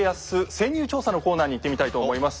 潜入調査のコーナーにいってみたいと思います。